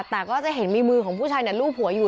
แต่ก็จะเห็นมีมือของผู้ชายรูปหัวอยู่